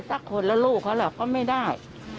สักคนแล้วลูกเขาล่ะเขาไม่ได้